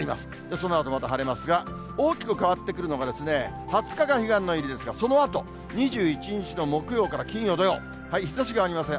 そのあとまた晴れますが、大きく変わってくるのが、２０日が彼岸の入りですが、そのあと、２１日の木曜から金曜、土曜、日ざしがありません。